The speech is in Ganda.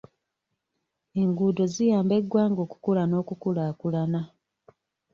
Enguuddo ziyamba eggwanga okukula n'okukulaakulana.